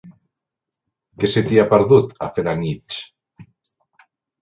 Què se t'hi ha perdut, a Felanitx?